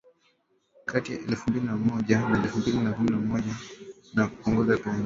kati ya elfu mbili na moja na elfu mbili na kumi na moja na kupunguza pengo